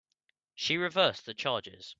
She reversed the charges.